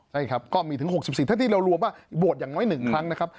ใช่ครับก็มีถึง๖๔เท่าที่เรารวมว่าโหวตอย่างน้อย๑ครั้งนะครับ